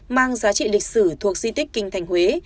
mang giá trị lịch sử thuộc di tích kinh thành huế